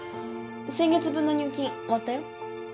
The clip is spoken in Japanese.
先月分の入金終わったよ。